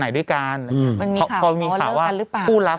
ด้วยกันอืมมันมีพอมีข่าวว่ากันหรือเปล่าคู่รัก